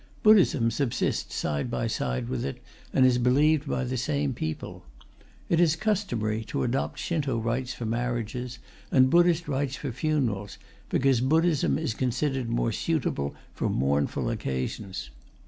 Buddhism subsists side by side with it, and is believed by the same people. It is customary to adopt Shinto rites for marriages and Buddhist rites for funerals, because Buddhism is considered more suitable for mournful occasions.